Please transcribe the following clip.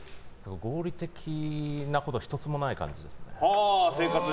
合理的なことは１つもない感じですね。